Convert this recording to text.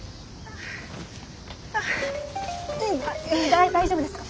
だ大丈夫ですか？